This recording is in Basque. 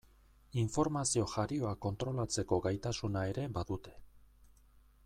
Informazio jarioa kontrolatzeko gaitasuna ere badute.